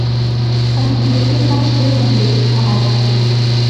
আমি দুই-তিন মাসের মধ্যে সেথা আসছি।